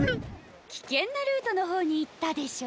きけんなルートのほうにいったでしょ。